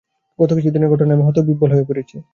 গত কিছুদিনের ঘটনায় আমি হতবিহ্বল হয়ে পড়েছি।